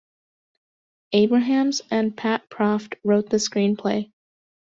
Abrahams and Pat Proft wrote the screenplay.